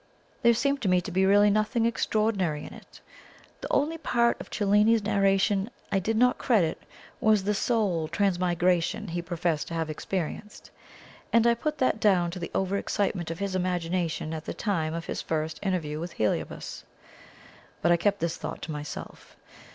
There seemed to me to be really nothing extraordinary in it. The only part of Cellini's narration I did not credit was the soul transmigration he professed to have experienced; and I put that down to the over excitement of his imagination at the time of his first interview with Heliobas. But I kept this thought to myself.